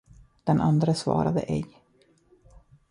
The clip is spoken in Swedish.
Den andre svarade ej.